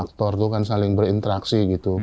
aktor tuh kan saling berinteraksi